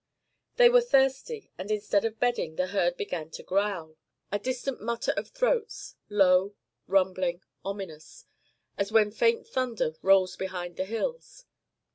They were thirsty; and instead of bedding, the herd began to 'growl' a distant mutter of throats, low, rumbling, ominous, as when faint thunder rolls behind the hills.